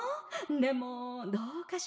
でもどうかしら。